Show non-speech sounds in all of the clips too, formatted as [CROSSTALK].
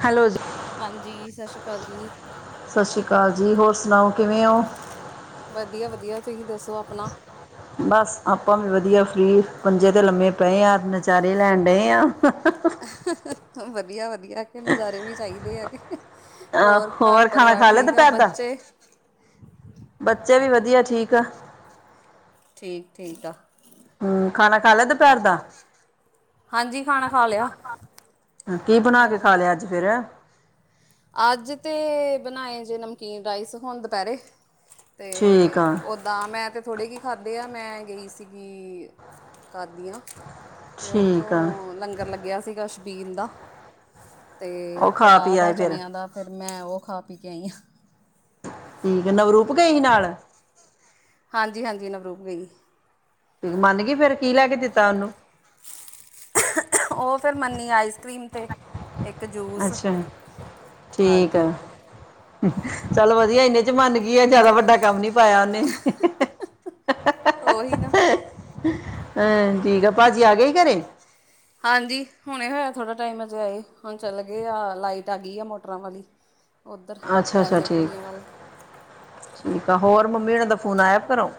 Hello ਜੀ ਹਾਂਜੀ ਸਤਿ ਸ੍ਰੀ ਅਕਾਲ ਜੀ, ਕਾਲ ਜੀ, ਹੋਰ ਸੁਣਾਓ ਕਿਵੇਂ ਹੋ? ਵਧੀਆ ਵਧੀਆ ਤੁਸੀਂ ਦੱਸੋ ਆਪਣਾ, ਬਸ ਆਪਾਂ ਵੀ ਵਧੀਆ ਫ੍ਰੀ ਪੰਜੇ ਤੇ ਲੰਮੇ ਪਏ ਹਾਂ ਨਚਾਰੇ ਲੈਣ ਡਏ ਹਾਂ। ਵਧੀਆ ਵਧੀਆ ਕਿ ਨਜ਼ਾਰੇ ਵੀ ਚਾਹੀਦੇ ਆ ਕਿ ਅ ਹੋਰ ਘਰ ਖਾਣਾ ਪਰਿਵਾਰ ਖਾ ਲਿਆ ਠੀਕ ਆ ਦੁਪਹਿਰ ਦਾ? ਬੱਚੇ ਬੱਚੇ ਵੀ ਵਧੀਆ ਠੀਕ ਆ। ਠੀਕ ਠੀਕ ਆ। ਹੂੰ ਖਾਣਾ ਖਾ ਲੈ ਦੁਪਹਿਰ ਦਾ ਹਾਂਜੀ ਖਾਣਾ ਖਾ ਲਿਆ ਕੀ ਬਣਾ ਕੇ ਅਹ, ਖਾ ਲਿਆ ਅੱਜ ਫੇਰ ਅੱਜ ਤੇ ਬਣਾਏ ਜੇ ਨਮਕੀਨ ਰਾਈਸ ਹੁਣ ਦੁਪਹਿਰੇ ਤੇ ਠੀਕ ਆ ਓਦਾਂ ਮੈਂ ਤੇ ਥੋੜੇ ਕੀ ਖਾਧ [UNINTELLIGIBLE] ਮੈਂ ਗਈ ਸੀਗੀ। ਕਾਦੀਆਂ ਤੇ ਠੀਕ ਆ ਉੱਥੋਂ ਲੰਗਰ ਲੱਗਿਆ ਸੀ ਕਛ ਛਬੀਲ ਦਾ, ਤੇ ਉਹ ਖਾ ਕੜਾਹ ਪੀ ਦਾ ਆਏ ਫਿਰ ਚਨਿਆ ਦਾ ਫਿਰ, ਮੈਂ ਉਹ ਖਾ ਪੀ ਕੇ ਆਈ ਹ ਆ। ਠੀਕ ਨਵਰੂਪ ਗਏ ਸੀ ਨਾਲ ਹਾਂਜੀ ਹਾਂਜੀ ਨਵਰੂਪ ਗਈ। ਮੰਨ ਗਈ ਫੇਰ ਕੀ ਲੈ ਕੇ ਦਿੱਤਾ ਉਹਨੂੰ ਉਹ ਫਿਰ ਮੰਨੀ ਆਈਸ ਕ੍ਰੀਮ ਤੇ ਇੱਕ ਜੂਸ ਅੱਛਾ ਠੀਕ ਹਾਂਜੀ, ਆ। ਚੱਲ ਵਧੀਆ ਇਹਨੇ ਚ ਮੰਨ ਕੀ ਆ ਜਿਆਦਾ ਵੱਡਾ ਕੰਮ ਨੀ ਪਾਇਆ ਉਹਨੇ ਉਹੀ ਨਾ, ਹੂੰ, ਠੀਕ ਆ ਭਾਜੀ ਆ ਗਏ ਹੀ ਘਰੇ, ਹਾਂਜੀ ਹੁਣੇ ਹੋਇਆ ਥੋੜਾ ਟਾਈਮ ਹਜੇ ਆਏ ਹੁਣ ਚੱਲ ਗਏ ਆ ਲਾਈਟ ਆ ਗਈ ਆ ਮੋਟਰਾਂ ਵਾਲੀ ਉੱਧਰ ਅੱਛਾ ਅੱਛਾ, ਪੈਲੀਆਂ ਠੀਕ ਪੂਲੀਆਂ ਵੱਲ ਠੀਕ ਆ। ਹੋਰ ਮੰਮੀ ਉਹੁਨਾਂ ਦਾ ਫੋਨ ਆਇਆ ਘਰੋ।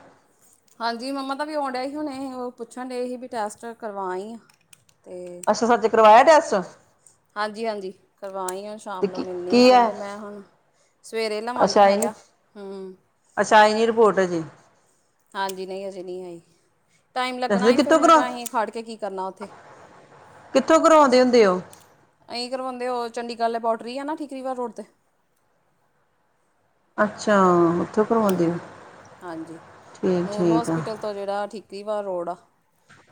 ਹਾਂਜੀ ਮੰਮਾ ਤਾਂ ਵੀ ਆਣ ਡਿਆ ਹੀ ਹੁਣੇ ਉਹ ਪੁੱਛਣ ਡਏ ਸੀ ਵੀ ਟੈਸਟ ਕਰਵਾ ਆ। ਤੇ ਅੱਛਾ ਸੱਚ ਕਰਵਾਇਆ ਟੈਸਟ ਹਾਂਜੀ ਹਾਂਜੀ ਕਰਵਾਈ ਹੁਣ ਤੇ ਸ਼ਾਮ ਨੂੰ ਕੀ ਮਿਲਣੀ ਕੀ ਹੈ ਕਹਿੰਦੇ ਮੈਂ ਹੁਣ ਸਵੇਰੇ ਅੱਛਾ ਲਵਾਂਗੀ ਮੈਂ ਆਈ ਨੀ ਕਿਹਾ ਹੂੰ, ਅੱਛਾ ਆਈ ਨੀ ਰਿਪੋਰਟ ਹਜੇ ਹਾਂਜੀ ਨਹੀਂ ਅਸੀਂ ਨਹੀਂ ਆਈ। ਟਾਈਮ ਲੱਗਣਾ ਦੱਸਦੇ ਸੀ ਫਿਰ ਕਿੱਥੋਂ ਮੈਂ ਕਰਵਾ ਕਿਹਾ ਅਸੀਂ ਖੜ ਕੇ ਕੀ ਕਰਨਾ ਉੱਥੇ ਕਿੱਥੋਂ ਕਰਵਾਉਂਦੇ ਹੁੰਦੇ ਹੋ ਅਸੀਂ ਕਰਵਾਦੇ ਉਹ ਚੰਗੀ ਗੱਲ ਬੋਟਰੀ ਆ ਨਾ ਠੀਕਰੀਵਾ ਰੋਡ 'ਤੇ ਅੱਛਾ, ਉੱਥੋਂ ਕਰਵਾਉਂਦੇ ਹੋ ਹੂੰ ਹਾਂਜੀ ਠੀਕ ਨੂਰ ਠੀਕ ਆ ਹੋਸਪਿਟਲ ਤੋਂ ਜਿਹੜਾ ਠੀਕ, ਤਿਵਾ ਰੋੜਾ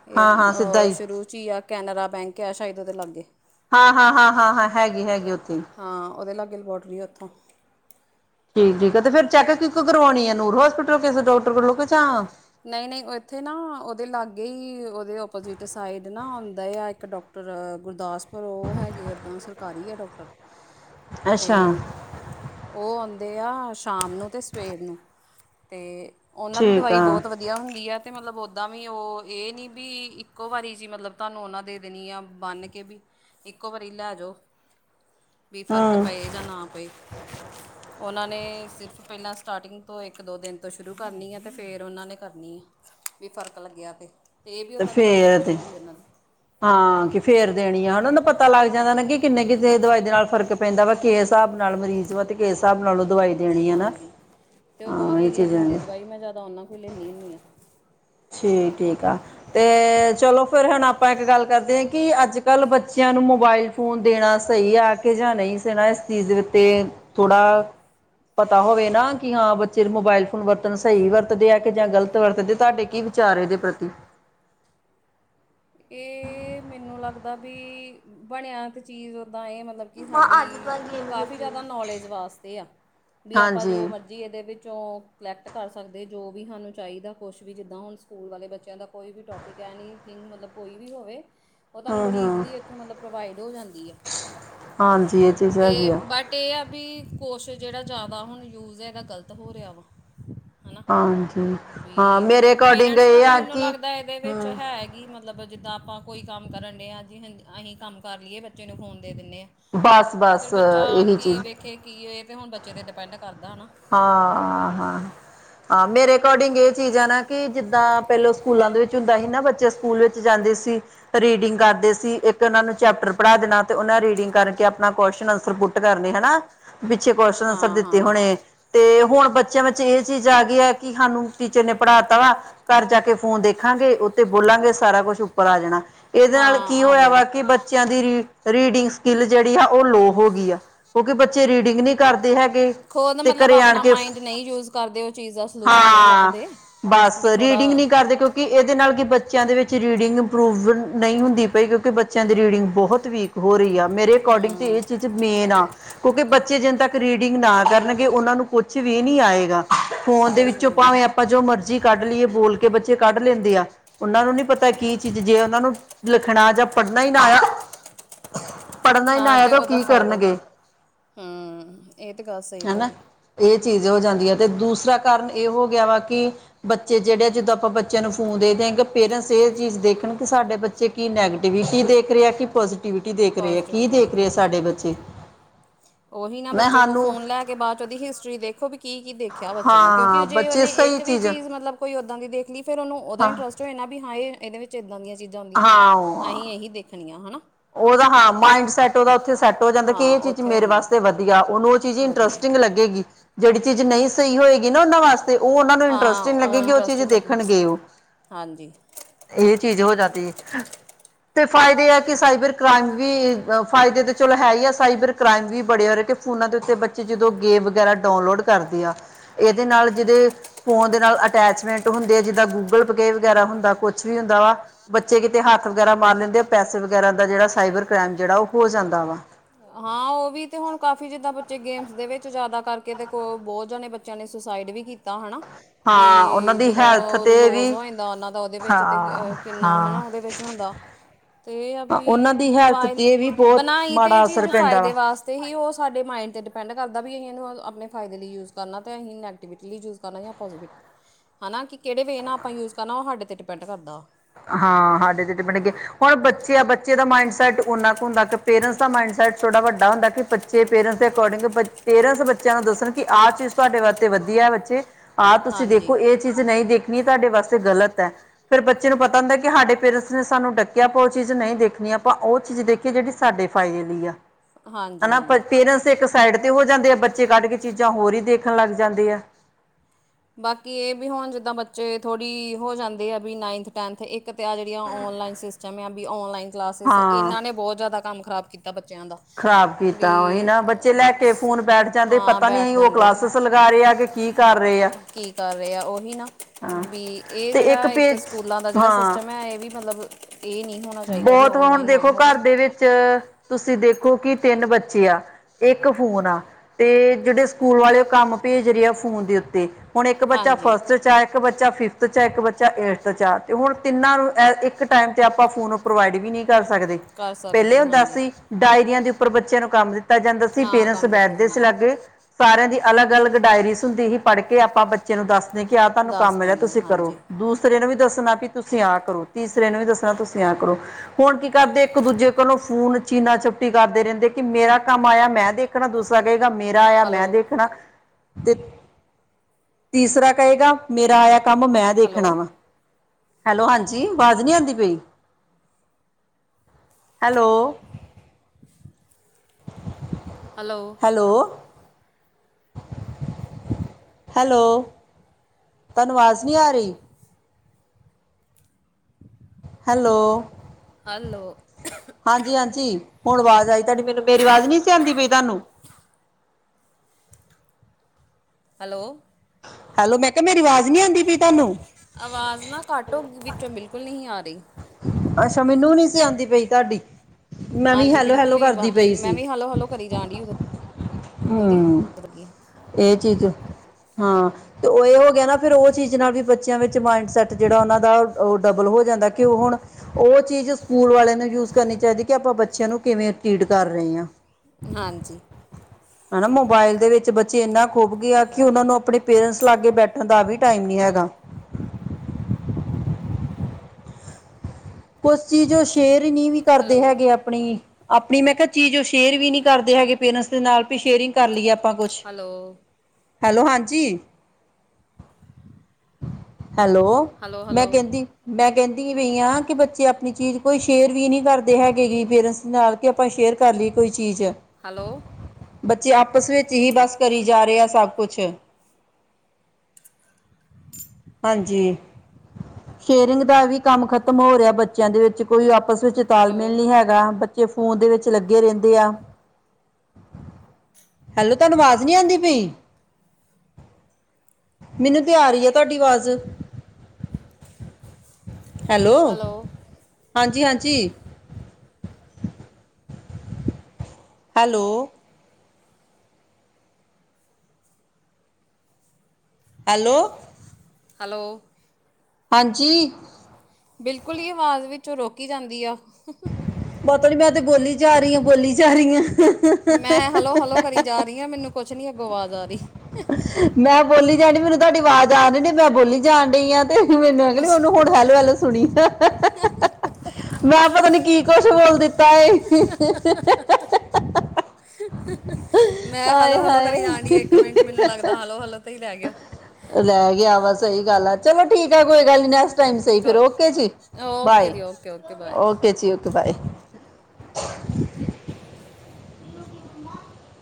ਇਹ ਹਾਂ ਹਾਂ ਸਿੱਧਾ ਅਹ ਹੀ ਸ਼ੁਰੂ ਚ ਹੀ ਆ ਕੈਨੇਰਾ ਬੈਂਕ ਆ ਸ਼ਾਇਦ ਉਹਦੇ ਲਾਗੇ ਹਾਂ ਹਾਂ ਹਾਂ ਹਾਂ ਹਾਂ ਹੈਗੀ ਹੈਗੀ ਉੱਥੇ ਹਾਂ ਉਹਦੇ ਲਾਗੇ, ਇਕ ਲਬੋਟਰੀ ਉੱਥੋਂ ਠੀਕ ਠੀਕ ਆ ਤੇ ਫੇਰ ਚੈੱਕ ਚੁਕ ਕਿਉ ਕਰਾਣੀ ਆ ਹੈ ਨੂਰ ਹੋਸਪਿਟਲ ਕਿਸੇ ਡਾਕਟਰ ਕੋਲੋਂ ਕਿਸ ਜਾਂ, ਨਹੀਂ ਨਹੀਂ ਇੱਥੇ ਨਾ ਉਹਦੇ ਲਾਗੇ ਹੀ ਉਦੇ ਓਪੋਜਿਟ ਸਾਈਡ ਨਾ ਆਦਾ ਆ ਇੱਕ ਡਾਕਟਰ ਗੁਰਦਾਸਪੁਰ ਉਹ ਹੈਗੇ, ਓਦਾਂ ਸਰਕਾਰੀ ਆ ਡਾਕਟਰ ਅੱਛਾ ਤੇ ਉਹ ਆਂ ਸ਼ਾਮ ਨੂੰ ਤੇ ਸਵੇਰ ਨੂੰ, ਅਤੇ, ਉਹਨਾਂ ਦੀ ਠੀਕ ਦਵਾਈ ਆ ਬਹੁਤ ਹੁੰਦੀ ਆ ਤੇ ਮਤਲਬ ਓਦਾਂ ਵੀ ਉਹ ਇਹ ਨੀ ਵੀ ਇੱਕੋ ਵਾਰੀ ਜੀ। ਮਤਲਬ ਤੁਹਾਨੂੰ ਉਹਨਾਂ ਦੇ ਦੇਣੀ ਆ। ਬੰਨ ਕੇ ਵੀ ਇੱਕੋ ਵਾਰੀ ਲੈ ਜਾਓ। ਵੀ ਫ਼ਰਕ ਹੂੰ ਪਏ ਜਾਂ ਨਾ ਪਏ, ਉਹਨਾਂ ਨੇ ਸਿਰਫ ਪਹਿਲਾਂ ਸਟਾਰਟਿੰਗ ਤੋਂ ਇੱਕ ਦੋ ਦਿਨ ਤੋਂ ਸ਼ੁਰੂ ਕਰਨੀ ਹੈ ਅਤੇ ਫਿਰ ਉਹਨਾਂ ਨੇ ਕਰਨੀ ਆ ਵੀ ਫਰਕ ਲੱਗਿਆ ਫਿਰ ਤੇ ਫੇਰ ਤੇ ਹਾਂ ਕਿ ਫੇਰ ਦੇਣੀ ਆ ਹਨ ਨੂੰ ਪਤਾ ਲੱਗ ਜਾਂਦਾ ਨਾ ਕਿ ਕਿੰਨੇ ਕਿਸੇ ਦਵਾਈ ਦੇ ਨਾਲ ਫਰਕ ਪੈਂਦਾ ਵਾ ਕਿਸ ਹਿਸਾਬ ਨਾਲ ਮਰੀਜ਼ ਵਾ ਤੇ ਕਿਸ ਹਿਸਾਬ ਨਾਲ ਉਹ ਦਵਾਈ ਦੇਣੀ ਆ ਨਾ ਹਾਂਜੀ ਤੇ ਉਹ ਹਾਂ ਬਹੁਤ ਇਹ ਵਧੀਆ ਚੀਜ਼ਾਂ ਦਿੰਦੇ ਦਵਾਈ ਮੈਂ ਜਿਆਦਾ ਉਹਨਾਂ ਕੋ ਹੀ ਲੈਂਦੀ ਹੁੰਦੀ ਆ। ਜੀ ਠੀਕ ਆ ਤੇ ਚਲੋ ਫੇਰ ਹੁਣ ਆਪਾਂ ਇੱਕ ਗੱਲ ਕਰਦੇ ਹ। ਕਿ ਅੱਜ ਕੱਲ ਬੱਚਿਆਂ ਨੂੰ ਮੋਬਾਇਲ ਫੋਨ ਦੇਣਾ ਸਹੀ ਆ ਕੇ ਜਾਂ ਨਹੀਂ। ਸਣਾ ਇਸ ਚੀਜ਼ ਦੇ ਉਤੇ ਥੋੜਾ ਪਤਾ ਹੋਵੇ ਨਾ ਕਿ ਹਾਂ ਬੱਚੇ ਮੋਬਾਇਲ ਫੋਨ ਵਰਤਣ ਸਹੀ ਵਰਤਦੇ ਆ ਕੇ ਜਾਂ ਗ਼ਲਤ ਵਰਤਦੇ ਤੁਹਾਡੇ ਕੀ ਵਿਚਾਰ ਇਹਦੇ ਪ੍ਰਤੀ ਇਹ ਮੈਨੂੰ ਲੱਗਦਾ ਵੀ ਬਣਿਆ ਤੇ ਚੀਜ਼ ਓਦਾਂ ਇਹ ਮਤਲਬ ਮਤਲਬ ਕਿ ਸਾਡੀ ਕਾਫੀ ਜ਼ਿਆਦਾ ਨੌਲੇਜ ਵਾਸਤੇ ਆ ਵੀ ਆਪਾਂ ਹਾਂਜੀ ਜੋ ਮਰਜ਼ੀ ਇਹਦੇ ਵਿੱਚੋਂ ਕਲੈਕਟ ਕਰ ਸਕਦੇ। ਜੋ ਵੀ ਸਾਨੂੰ ਚਾਹੀਦਾ ਕੁਛ ਵੀ ਜਿੱਦਾਂ ਹੁਣ ਸਕੂਲ ਵਾਲੇ ਬੱਚਿਆਂ ਦਾ ਕੋਈ ਵੀ ਟੋਪਿਕ ਹੈ ਨਹੀਂ ਥਿੰਗ ਮਤਲਬ ਕੋਈ ਵੀ ਹੋਵੇ, ਉਹ ਤੁਹਾਨੂੰ ਹੂੰ ਬੜੀ ਹੂੰ ਈਜ਼ਲੀ ਇੱਥੋਂ ਮਤਲਬ ਪ੍ਰੋਵਾਈਡ ਹੋ ਜਾਂਦੀ ਆ ਹਾਂਜੀ ਇਹ ਚੀਜ਼ ਤੇ ਹੈਗੀ ਆ ਬਟ ਇਹ ਆ ਵੀ ਕੁਛ ਜਿਹੜਾ ਜ਼ਿਆਦਾ ਹੁਣ ਯੂਜ ਹੈ ਇਹਦਾ ਗ਼ਲਤ ਹੋ ਰਿਹਾ ਵਾ ਹੈ ਨਾ ਹਾਂ, ਵੀ ਮੇਰੇ ਹਣ ਅਕੋਰਡਿੰਗ ਪੇਰੈਂਟਸ ਦਾ ਇਹ ਵੀ ਆ ਮੈਨੂੰ ਕਿ ਲੱਗਦਾ ਇਹਦੇ ਵਿੱਚ ਹਮ ਹੈਗੀ ਮਤਲ ਮਤਲਬ ਜਿੱਦਾਂ ਆਪਾਂ ਕੋਈ ਕੰਮ ਕਰਨ ਡੇ ਹਾਂ ਜੀ ਅਹੀ ਕੰਮ ਕਰ ਲਈਏ ਬੱਚੇ ਨੂੰ ਫੋਨ ਦਿੰਨੇ ਆ ਬਸ ਫੇਰ ਬਸ ਬੱਚਾ ਇਹੀ ਕੀ ਚੀਜ਼ ਵੇਖੇ ਕੀ ਹੋਏ। ਹੁ ਬੱਚੇ ਤੇ ਡਿਪੈਂਡ ਕਰਦਾ ਹਨਾ ਹਾਂ ਹਾਂ ਹਾਂ ਮੇਰੇ, ਅਕੋਰਡਿੰਗ ਇਹ ਚੀਜ਼ ਆ ਨਾ ਕਿ ਜਿੱਦਾਂ ਪਹਿਲੋਂ ਸਕੂਲਾਂ ਦੇ ਵਿੱਚ ਹੁੰਦਾ ਸੀ ਨਾ ਬੱਚੇ, ਸਕੂਲ ਵਿੱਚ ਜਾਂਦੇ ਸੀ। ਰੀਡਿੰਗ ਕਰਦੇ ਸੀ। ਇੱਕ ਉਹਨਾਂ ਨੂੰ ਚੈਪਟਰ ਪੜ੍ਹਾ ਦੇਣਾ ਤੇ ਉਹਨਾ ਰੀਡਿੰਗ ਕਰਕੇ ਆਪਣਾ ਕੁਸ਼ਤੀ ਆਸਰ ਪੁੱਟ ਕਰਨੇ ਹਨਾ। ਪਿੱਛੇ ਕੁਸ਼ਚਨ ਆਸਰ ਹਾਂ ਦਿੱਤੇ ਹਾਂ ਹੁਣੇ। ਤੇ ਹੁਣ ਬੱਚਿਆਂ ਵਿੱਚ ਇਹ ਚੀਜ਼ ਆ ਗਈ ਹੈ ਕਿ ਸਾਨੂੰ ਟੀਚਰ ਨੇ ਪੜ੍ਹਾ ਤਾ ਵਾ ਘਰ ਜਾ ਕੇ ਫੋਨ ਦੇਖਾਂਗੇ। ਤੇ ਬੋਲਾਂਗੇ ਸਾਰਾ ਕੁੱਛ ਪਤਾ ਆ ਜਾਣਾ [INAUDIBLE] ਇਹਦੇ ਹਾਂ ਨਾਲ ਕੀ ਆ ਹੋਇਆ ਵਾ? ਜਾਏਗਾ ਕਿ ਬੱਚਿਆਂ ਦੀ ਰੀ ਰੀਡਿੰਗ ਸਕਿੱਲ ਜਿਹੜੀ ਆ ਉਹ ਲੋਅ ਹੋ ਗਈ ਆ ਕਿਉਂਕਿ ਬੱਚੇ ਰੀਡਿੰਗ ਨਹੀਂ ਕਰਦੇ। ਦੇ ਹੈਗੇ। ਖੁਦ ਤੇ ਮਤਲਬ ਘਰੇ ਆਣ ਆਪਣਾ ਕੇ ਮਾਈੰਡ ਨਹੀਂ ਉਸ ਕਰਦੇ ਸਲਿੂਸ਼ਨ ਨਹੀਂ ਹਾਂ ਲੱਭਦੇ। ਬਸ ਵੀ ਥੋੜ੍ਹਾ ਰੀਡਿੰਗ ਨਹੀਂ ਕਰਦੇ ਕਿਉਂਕਿ ਇਹਦੇ ਨਾਲ ਕਿ ਬੱਚਿਆਂ ਦੇ ਵਿੱਚ ਰੀਡਿੰਗ ਅਪਰੂਵ ਨਹੀਂ ਹੁੰਦੀ ਪਈ ਕਿਉਂਕਿ ਬੱਚਿਆਂ ਦੀ ਰੀਡਿੰਗ ਬਹੁਤ ਵੀਕ ਹੋ ਰਹੀ ਆ। ਮੇਰੇ ਅਕੋਡਿੰਗ ਤਾਂ ਇਹ ਹਾਂ ਚੀਜ਼ ਮੇਨ ਆ ਕਿਉਂਕਿ ਬੱਚੇ ਜਿੰਨ ਤੱਕ ਰੀਡਿੰਗ ਨਾ ਕਰਨ ਉਹਨਾਂ ਨੂੰ ਕੁਛ ਵੀ ਨਹੀ ਆਏਗਾ। ਫੋਨ ਦੇ ਕੁਛ ਵਿੱਚੋਂ ਨਹੀਂ ਹੈਗਾ ਪਾਵੇਂ ਆਪਾਂ ਜੋ ਮਰਜੀ ਕੱਢ ਲਈਏ ਬੋਲ ਕੇ ਬੱਚੇ ਕੱਢ ਲੈਂਦੇਆ ਉਹਨਾਂ ਨੂੰ ਨੀ ਪਤਾ ਕੀ ਚੀਜ਼ ਜੇ ਉਹਨਾਂ ਨੂੰ ਲਿਖਣਾ ਜਾਂ ਪੜ੍ਹਨਾ ਹੀ ਨਾ ਆਇਆ। ਪੜ੍ਹਨਾ ਹੀ ਨਾ ਹਾਂ ਆਇਆ ਤੇ ਤਾਂ ਉਹ ਉਹਦਾ ਕੀ ਫਾਇਦਾ ਨੀ ਕਰਨਗੇ ਇਹ। ਹਮ ਇਹ ਤੇ ਗੱਲ ਸਹੀ ਹਨਾ ਤੁਹਾਡੀ ਇਹ ਚੀਜ਼ ਹੋ ਜਾਂਦੀ ਹੈ। ਤੇ ਦੂਸਰਾ ਕਅਰਨ ਇਹ ਹੋ ਗਿਆ ਵਾ ਕਿ ਬੱਚੇ ਜਿਹੜੇ ਆ ਜਦੋਂ ਆਪਾਂ ਬੱਚਿਆਂ ਨੂੰ ਫੋਨ ਦੇਂਦੇ ਹਾਂ। ਕਿ ਪੇਰੈਂਟਸ ਇਹ ਚੀਜ਼ ਦੇਖਣ ਕਿ ਸਾਡੇ ਬੱਚੇ ਕੀ ਨੈਗੇਟਿਵ ਕੀ ਦੇਖ ਰਹੇ ਆ? ਕਿ ਪੋ ਐਕਟੀਵਿਟੀ ਦੇਖ ਰਹੇ ਆ ਕੀ ਦੇਖ ਰਹੇ ਆ? ਸਾਡੇ ਬੱਚੇ। ਉਹੀ ਨਾ ਨਹੀਂ ਬੱਚੇ ਕੋਲ ਸਾਨੂੰ ਫੋਨ ਲੈ ਕੇ ਬਾਅਦ ਚ ਉਹਦੀ ਹਿਸਟਰੀ ਦੇਖੋ ਵੀ ਕੀ-ਕੀ ਦੇਖਿਆ ਬੱਚੇ ਨੇ। ਕਿਉਂਕਿ ਹਾਂ ਜੇ ਬੱਚੇ ਉਹਨੇ ਸਹੀ ਇੱਕ ਵੀ ਚੀਜ਼ ਮਤਲਬ ਕੋਈ ਉਹਦਾਂ ਦੀ ਦੇਖ ਲਈ ਫਿਰ ਉਹਨੂੰ ਉਹਦਾ ਹਾਂ ਇੰਟਰਸਟ ਹੋਏ ਨਾ ਵੀ ਹਾਂ ਇਹ ਇਹਦੇ ਵਿੱਚ ਇੱਦਾਂ ਦੀਆਂ ਚੀਜ਼ਾਂ ਹੁੰਦੀਆਂ ਹਾਂ ਅਸੀਂ ਇਹੀ ਦੇਖਣੀਆਂ ਹਨਾ ਉਹਦਾ ਹਾਂ ਮਾਇੰਡ ਸੈਟ ਉਹਦਾ ਉੱਥੇ ਸੈੱਟ ਹੋ ਜਾਂਦਾ ਕਿ ਹਾਂ ਇਹ ਚੀਜ਼ ਉੱਥੇ ਹੋਏ ਮੇਰੇ ਨਾ ਵਾਸਤੇ ਵਧੀਆ ਉਹਨੂੰ ਉਹ ਚੀਜ਼ ਵਧੀਆ ਇੰਟਰਸਟਿੰਗ ਲੱਗੇਗੀ। ਜਿਹੜੀ ਚੀਜ਼ ਨਹੀਂ ਸਹੀ ਹੋਏਗੀ ਨਾ ਉਹਨਾਂ ਵਾਸਤੇ ਤੇ ਉਹ ਉਹਨਾਂ ਨੂੰ ਹਾਂ ਇੰਟਰਸਟਿੰਗ ਲੱਗੇਗੀ ਉਹ ਇੰਟਰਸਟ ਚੀਜ਼ ਹੀ ਲੱਗੂ ਦੇਖਣਗੇ। ਉਹ ਹਾਂਜੀ ਇਹ ਚੀਜ਼ ਹੋ ਜਾਂਦੀ ਹੈ ਤੇ ਫਾਇਦੇ ਹੈ ਸਾਈਬਰ ਕ੍ਰਾਈਮ ਵੀ ਫਾਇਦੇ ਤੇ ਚਲੋ ਹੈ। ਹੀ ਆ ਸਾਈਬਰ ਕ੍ਰਾਈਮ ਵੀ ਬੜੇ ਹੋ ਫੋਨਾ ਦੇ ਉੱਤੇ ਬੱਚੇ ਜਦੋਂ ਗੇਮ ਵਗੈਰਾ ਡਾਊਨਲੋਡ ਕਰਦੇ ਆ ਇਹਦੇ ਨਾਲ ਜਿਦੇ ਫੋਨ ਦੇ ਨਾਲ ਅਟੈਚਮੈਂਟ ਹੁੰਦੇ ਆ। ਜਿੱਦਾਂ ਗੂਗਲ ਪੇ ਵਗੈਰਾ ਹੁੰਦਾ। ਕੁਛ ਵੀ ਹੁੰਦਾ ਵਾ। ਬੱਚੇ ਕਿਤੇ ਹੱਥ ਵਗੈਰਾ ਮਾਰ ਲੈਂਦੇ ਆ ਪੈਸੇ ਵਗੈਰਾ ਦਾ ਜਿਹੜਾ ਸਾਈਬਰ ਕ੍ਰਾਈਮ ਜਿਹੜਾ ਉਹ ਹੋ ਜਾਂਦਾ ਵਾ। ਹਾਂ ਉਹ ਵੀ ਤੇ ਹੁਣ ਕਾਫ਼ੀ ਜਿੱਦਾਂ ਬੱਚੇ ਗੇਮਸ ਦੇ ਵਿੱਚ ਜ਼ਿਆਦਾ ਕਰਕੇ ਤੇ ਬਹੁਤ ਜਾਣੇ ਬੱਚਿਆਂ ਨੇ ਸੁਸਾਈਡ ਵੀ ਕੀਤੀ ਕੀਤਾ ਹੋਣਾ ਵੀ ਹਾਂ ਉਹਨਾਂ ਦੀ ਜਦੋਂ ਹੈਲਥ ਤੇ ਵੀ ਲੋਸ ਹੋ ਜਾਂਦਾ ਉਹਨਾਂ ਦਾ ਉਹਦੇ ਵਿੱਚ ਤੇ ਹਾਂ ਕਿੰਨਾ ਹਨਾ ਹਾਂ ਉਹਦੇ ਵਿੱਚ ਹੁੰਦਾ। ਤੇ ਆ ਵੀ ਉਹਨਾਂ ਦੀ ਹੈਲਥ ਫਾਈਲ ਤੇ ਵੀ ਬਹੁਤ ਬਣਾਈ ਤੇ ਇਹ ਮਾੜਾ ਅਸਰ ਚੀਜ਼ ਫਾਈਲ ਪੈਂਦਾ ਵਾ ਵਾਸਤੇ ਹੀ ਉਹ ਸਾਡੇ ਮਾਇੰਡ ਤੇ ਡਿਪੈਂਡ ਕਰਦਾ। ਵੀ ਅਸੀਂ ਆਪਣੇ ਫ਼ਾਇਦੇ ਲਈ ਯੂਜ ਕਰਨਾ ਤੇ ਅਸੀਂ ਨੈਗੇਟਿਵਿਟੀ ਲਈ ਯੂਜ ਕਰਨਾ ਜਾਂ ਪੋਜ਼ਟਿਵ ਹੈ ਨਾ ਕਿ ਕਿਹੜੇ ਵੇਅ ਨਾਲ ਆਪਾਂ ਯੂਜ ਕਰਨਾ ਉਹ ਸਾਡੇ 'ਤੇ ਡਿਪੈਂਡ ਕਰਦਾ ਹਾਂ ਸਾਡੇ ਤੇ ਡਪਣ ਹੁਣ ਬੱਚੇ-ਬੱਚੇ ਦਾ ਮੰਡਸੈਟ ਸੈੱਟ ਹੁੰਦਾ ਪੇਰਟਸ ਦਾ ਮਡਟ ਸੈੱਟ ਥੋੜਾ ਵੱਡਾ ਹੁੰਦਾ ਕਿ ਬੱਚੇ ਪੇਰਟਸ ਦੇ ਅਕੋਰਡਿੰਗ ਪੇਰੈਂਟਸ ਬੱਚਿਆਂ ਨੂੰ ਦੱਸਣ ਕਿ ਆਹ ਚੀਜ਼ ਤੁਹਾਡੇ ਵਾਸਤੇ ਵਧੀਆ ਬੱਚੇ। ਆਹ ਤੁਸੀਂ ਦੇਖੋ ਹਾਂਜੀ ਇਹ ਚੀਜ਼ ਨਹੀਂ ਦੇਖਣੀ। ਤੁਹਾਡੇ ਵਾਸਤੇ ਗ਼ਲਤ ਹੈ। ਫਿਰੱਚ ਬੱਚੇ ਨੂੰ ਪਤਾ ਹੁੰਦਾ ਕਿ ਸਾਡੇ ਪੇਰੈਂਟਸ ਨੇ ਸਾਨੂੰ ਡੱਕਿਆ ਆਪਾਂ ਉਹ ਚੀਜ਼ ਨਹੀਂ ਦੇਖਣੀ, ਆਪਾਂ ਉਹ ਚੀਜ਼ ਦੇਖੀਏ ਜਿਹੜੀ ਸਾਡੇ ਫਾਇਦੇ ਦੀ ਆ। ਹਾਂਜੀ ਹਨਾ ਹਾਂਜੀ ਪੇਰੈਂਟਸ ਇੱਕ ਸਾਈਡ ਤੇ ਹੋ ਜਾਂਦੇ ਆ। ਬੱਚੇ ਕੱਢ ਕੇ ਚੀਜ਼ਾਂ ਹੋਰ ਹੀ ਦੇਖਣ ਲੱਗ ਜਾਂਦੇ ਆ। ਬਾਕੀ ਇਹ ਵੀ ਹੁਣ ਜਿੱਦਾਂ ਬੱਚੇ ਥੋੜੀ ਹੋ ਜਾਂਦੇ ਆ ਵੀ ਨਾਈਨਥ ਟੈਨਥ ਇੱਕ ਇੱਕ ਤਾਂ ਆ ਜਿਹੜੀਆਂ ਔਨਲਾਈਨ ਸਿਸਟਮ ਆ ਵੀ ਔਨਲਾਈਨ- ਕਲਾਸਿਸ ਹਾਂ ਇਹਨਾਂ ਨੇ ਬਹੁਤ ਜ਼ਿਆਦਾ ਕੰਮ ਖਰਾਬ ਕੀਤੀ। ਖ਼ਰਾਬ ਕੀਤਾ ਉਹੀ ਨਾ ਬੱਚੇ ਲੈ ਕੇ ਸ ਫੋਨ ਬੈਠ ਜਾਂਦੇ ਹਾਂ ਪਤਾ ਨੀ ਬੈਠ ਅਸੀਂ ਉਹ ਜਾਂਦੇ ਕਲਾਸਿਸ ਲਗਾ ਰਹੇ ਆ ਕਿ ਕੀ ਕਰ ਰਹੇ। ਆ ਕੀ ਕਰ ਰਹੇ ਆ ਉਹੀ ਨਾ ਹਾਂ ਵੀ ਇਹ ਤੇ ਜਿਹੜਾ ਇੱਕ ਪੇਜ ਸਕੂਲਾਂ ਦਾ ਜਿਹੜਾ ਹਾਂ ਸਿਸਟਮ ਹੈ। ਇਹ ਵੀ ਮਤਲਬ ਇਹ ਨਹੀਂ ਹੋਣਾ ਚਾਹੀਦਾ ਵੀ ਬਹੁਤ ਹੁਣ ਔਨਲਾਈਨ ਨਾ ਦੇਖੋ ਘਰ ਹੋਵੇ ਦੇ ਵਿੱਚ ਤੁਸੀਂ ਦੇਖੋ ਦੇਖੋ ਕਿ ਤਿੰਨ ਬੱਚੇ ਆ ਇੱਕ ਫੋਨ ਆ ਤੇ ਜਿਹੜੇ ਸਕੂਲ ਵਾਲੇ ਉਹ ਕੰਮ ਭੇਜ ਰਹੇ ਆ ਫੋਨ ਦੇ ਉੱਤੇ ਹੁਣ ਇੱਕ ਬੱਚਾ ਹਾਂਜੀ ਫਸਟ ਚ ਆਇ ਇੱਕ ਬੱਚਾ ਫਿਫਥ ਇੱਕ ਬੱਚਾ ਏਅਰਥ ਚ ਹੁਣ ਤਿੰਨਾਂ ਨੂੰ ਟਾਈਮ ਤੇ ਆਪਾਂ ਫੋਨ ਪ੍ਰੋਵਾਈਡ ਵੀ ਨਹੀਂ ਕਰ ਸਕਦੇ ਕਰ ਪਹਿਲੇ ਸਕਦੇ ਹੁੰਦਾ ਹਾਂਜੀ ਸੀ ਡਾਇਰੀਆਂ ਦੀ ਉਰ ਬੱਚਿਆਂ ਨੂੰ ਕੰਮ ਦਿੱ ਤਾ ਜਾਂਦਾ ਸੀ। ਹਾਂ ਪੇਰੈਂਟਸ ਕੰਮ ਦਿੱਤਾ ਬੈਠਦੇ ਸੀ ਜਾਂਦਾ ਲਾਗੇ ਸਾਰਿਆਂ ਦੀ ਅਲੱਗ-ਅਲੱਗ ਡਾਇਰੀਜ਼ ਹੁੰਦੀ ਸੀ। ਪੜ੍ਹ ਕੇ ਆਪਾਂ ਬੱਚੇ ਨੂੰ ਦੱਸਦੇ ਕਿਆ ਤੁਹਾਨੂੰ ਕੰਮ ਦੱਸ ਮਿਲਿਆ ਦਿੰਦੇ ਤੁਸੀਂ ਕਰੋ ਹਾਂਜੀ ਦੂਸਰੇ ਨੇ ਵੀ ਦੱਸਣਾ ਵੀ ਤੁਸੀਂ ਆਹ ਕਰੋ ਤੀਸਰੇ ਨੂੰ ਵੀ ਦੱਸ- ਤੁਸੀਂ ਆ ਕਰੋ ਹੁਣ ਕੀ ਕਰਦੇ ਇੱਕ ਦੂਜੇ ਕੋਲੋਂ ਫੋਨ ਚੀਨਾ-ਚਪਟੀ ਕਰਦੇ ਰਹਿੰਦੇ ਕਿ ਮੇਰਾ ਕੰਮ ਆਇਆ, ਮੈਂ ਦੇਖਣਾ ਦੂਸਰਾ ਕ ਮੇਰਾ ਆਇਆ, ਹੈਲੋ ਮੈਂ ਦੇਖਣਾ ਤੇ ਤੀਸਰਾ ਕਹੇਗਾ ਮੇਰਾ ਆਇਆ ਕੰਮ ਮੈਂ ਹੈਲੋ ਦੇਖਣਾ ਵਾ ਹੈਲੋ ਹਾਂਜੀ ਆਵਾਜ਼ ਨੀ ਆਉਂਦੀ ਪਈ ਹੈਲੋ ਹੈਲੋ। [INAUDIBLE] ਹੈਲੋ। ਤੁਹਾਨੂੰ ਆਵਾਜ਼ ਨੀ ਆ ਰਹੀ। ਹੈਲੋ। ਹੈਲੋ। ਹਾਂਜੀ ਹਾਂਜੀ ਹੁਣ ਆਵਾਜ਼ ਆਈ। ਤੇਡੀ ਮੈਨੂੰ ਮੇਰੀ ਆਵਾਜ਼ ਨੀ ਸੀ ਆਂਦੀ ਪਈ ਤੁਹਾਨੂੰ ਹੈਲੋ ਹੈਲੋ ਮੈਂ ਕਿਹਾ ਮੇਰੀ ਆਵਾਜ਼ ਨਹੀਂ ਆਉਂਦੀ ਪਈ ਤੁਹਾਨੂੰ ਆਵਾਜ਼ ਨਾ ਘੱਟ ਹੋ। ਵਿੱਚੋਂ ਬਿਲਕੁਲ ਨਹੀਂ ਆ ਰਹੀ ਅੱਛਾ ਮੈਨੂੰ ਨਹੀਂ ਸੀ ਆਉਂਦੀ ਪਈ ਤੁਹਾਡੀ ਮੈਂ ਵੀ ਹਾਂਜੀ ਹੈਲੋ ਬਿਲਕੁਲ ਹੈਲੋ ਹੀ ਕਰਦੀ ਬੰਦ ਹੋਈ ਪਈ ਮੈਂ ਸੀ ਵੀ ਹਲੋ ਹਲੋ ਕਰੀ ਜਾਣ ਡ ਹਮ ਦੀਗੀ ਇਹ ਚੀਜ਼ ਹਾਂ ਤੇ ਇਹ ਹੋ ਗਿਆ ਨਾ ਫਿਰ ਉਹ ਚੀਜ਼ ਨਾਲ ਵੀ ਬੱਚਿਆਂ ਵਿੱਚ ਮਾਇੰਡ ਸੈਟ ਜਿਹੜਾ ਉਹਨਾਂ ਦਾ ਉਹ ਡਬਲ ਹੋ ਜਾਂਦਾ ਕਿ ਹੁਣ ਉਹ ਚੀਜ਼ ਸਕੂਲ ਵਾਲਿਆਂ ਨੂੰ ਯੂਜ ਕਰਨੀ ਚਾਹੀਦੀ ਕਿ ਆਪਾਂ ਬੱਚਿਆਂ ਨੂੰ ਕਿਵੇਂ ਟ੍ਰਰੀਟ ਕਰ ਰਹੇ ਹਾਂ ਹਾਂਜੀ ਹਨਾ ਮੋਬਾਇਲ ਦੇ ਵਿੱਚ ਇਨਾ ਖੁਬ ਗਿਆ ਕਿ ਉਹਨਾਂ ਨੂੰ ਆਪਣੇ ਪੇਰੈਂਟਸ ਲਾਗੇ ਬੈਠਣ ਦਾ ਵੀ ਟਾਈਮ ਨੀ ਹੈਗਾ ਕੋਸੀੀ ਜੋ ਸ਼ਛੇਰ ਨੀ ਵੀ ਕਰਦੇ ਹੈਲੋ ਹੈਗੇ ਆਪਣੀ ਆਪਣੀ ਮੈਂ ਕਿਹਾ ਚੀਜ਼ ਉਹ ਸ਼ੇਅਰ ਵੀ ਨਹੀਂੀ ਕਰਦੇ ਹੈਗੇ ਪੇਰੈਂਟਸ ਦੇ ਨਾਲ ਵੀ ਸ਼ੇਅਰਿੰਗ ਕਰ ਲਈਏ ਆਪ ਹੈਲੋ ਹੈਲੋ ਹਾਂਜੀ ਹੈਲੋ ਹੈਲੋ ਮੈਂ ਹੈਲੋ ਕਹਿੰਦੀ ਕਹਿੰਦੀ ਪਈਆ ਕਿ ਬੱਚੇ ਆਪਣੀ ਚੀਜ਼ ਕੋਈ ਸ਼ੇਅਰ ਵੀ ਨਹੀਂੀ ਕਰਦੇ ਹੈਗੇਗੀ ਪੇਰੈਂਟਸ ਨਾਲ ਕਿ ਆਪਾਂ ਸ਼ੇਅਰ ਕਰ ਲਈਏ ਕੋਈ ਚੀਜ਼ ਹੈਲੋ ਬੱਚੇ ਆਪਸ ਵਿੱਚ ਹੀ ਬਸ ਕਰੀ ਜਾ ਰਹੇ ਆ ਸਭ ਕੁਛ [INAUDIBLE] ਹਾਂਜੀ ਸ਼ੇਅਰਿੰਗ ਦਾ ਵੀ ਕੰਮ ਖਤਮ ਹੋ ਰਿਹਾ ਬੱਚਿਆਂ ਦੇ ਵਿੱਚ ਕੋਈ ਆਪਸ ਵਿੱਚ ਤਾਲਮੇਲ ਹੈਲੋ ਨੀ ਹੈਗਾ ਜੇ ਫੋਨ ਦੇ ਵਿੱਚ ਲੱਗੇ ਰਹਿੰਦੇ ਆ ਹੈਲੋ ਤੁਹਾਨੂੰ ਆਵਾਜ਼ ਨਹੀਂੀ ਆਉਂਦੀ ਪਈ ਮੈਨੂੰ ਤਾਂ ਆ ਰਹੀ ਰਹੀ ਹੈ ਤੁਹਾਡੀ ਆਵਾਜ਼ ਹੈਲੋ ਹਾਂਜੀ ਹਾਂਜੀ ਹੈਲੋ ਹੈਲੋ ਹੈਲੋ ਹਾਂਜੀ ਬਿਲਕੁਲ ਹੀ ਆਵਾਜ਼ ਵਿੱਚੋਂ ਰੋਕੀ ਜਾਂਦੀ ਆ ਮਤਾ ਨੀ ਮੈਂ ਤੇ ਬੋਲੀ ਜਾ ਰਹੀ ਹਾਂ ਬੋਲੀ ਜਾ ਰਹੀ ਹਾਂ ਮੈਂ ਹਲੋ ਹਲੋ ਕਰੀ ਜਾ ਰਹੀ ਹਾਂ ਮੈਨੂੰ ਕੁਛ ਨੀ ਅੱਗੋਂ ਆਵਾਜ਼ ਆ ਰਹੀ ਮੈਂ ਬੋਲੀ ਜਾਣੀ ਮੈਨੂੰ ਤੁਹਾਡੀ ਆਵਾਜ਼ ਆਣ ਡ ਮੈਂ ਬੋਲੀ ਜਾਣ ਡਈ ਆਾਂ ਮੈਨੂੰ ਐਂਗਲੀ ਉਹਨੂੰ ਹੁਣ ਅੱਛਾ ਹੈਲੋ ਹੈਲੋ ਸੁਣੀ ਆ ਮੈਂ ਆਪਤਾਨ ਕੀ ਕੁਛ ਬੋਲ ਦਿੱ [INAUDIBLE] ਹ ਹ। ਮੈਂ ਹਲੋ ਹਲੋ ਕਰੀ ਜਾਣ ਡ ਇੱਕ ਮਿੰਟ ਮੈਨੂੰ ਲੱਗਦਾ ਹਲੋ ਹਲੋ ਤੇ ਹੀ ਰਹਿ ਗਿਆ? ਰਹਿ ਗਿਆ ਵਾ ਸਹੀ ਗੱਲ ਆ ਚਲੋ ਠੀਕ ਆ ਕੋਈ ਗੱਲ ਨੀ। ਨੈਕਸਟ ਟਾਈਮ ਸਹੀ ਫਿਰ ਓਕੇ ਜੀ ਓਕੇ ਬਾਏ ਜੀ ਓਕੇ ਓਕੇ ਬਾਏ ਓਕੇ ਜੀ ਓਕੇ। ਦੁਬਏ।